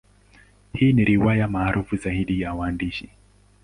Hii ni riwaya maarufu zaidi ya mwandishi.